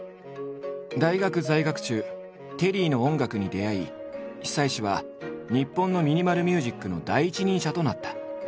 大学在学中テリーの音楽に出会い久石は日本のミニマル・ミュージックの第一人者となった。